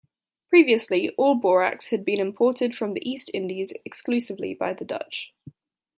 Previously, all borax had been imported from the East Indies exclusively by the Dutch.